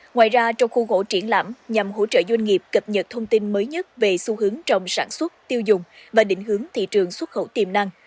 ngoài ra trong khu gỗ triển lãm nhằm hỗ trợ doanh nghiệp cập nhật thông tin mới nhất về xu hướng trong sản xuất tiêu dùng và định hướng thị trường xuất khẩu tiềm năng